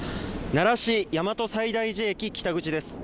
奈良市大和西大寺駅北口です。